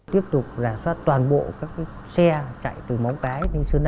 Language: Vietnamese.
tiếp tục rạp soát toàn bộ các cái xe chạy từ móng cái đến sơn na